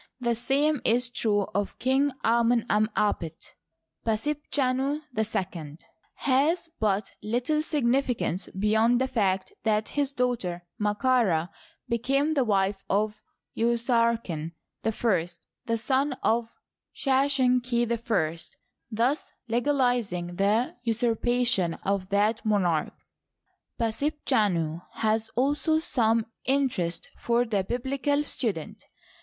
The same is true of King Amon em apet, Pasebchanu II has but little significance beyond the fact that his daughter, Md ka Rd, became the wife of Usarken I, the son of Skeshenq /, thus legalizing the usurpation of that monarch. Pasebchanu has also some interest for the biblical student.